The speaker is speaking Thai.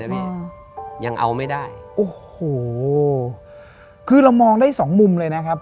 พี่ยังเอาไม่ได้โอ้โหคือเรามองได้สองมุมเลยนะครับ